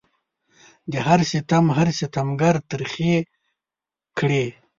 د هر ستم هر ستمګر ترخې کړي